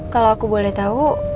kalo aku boleh tau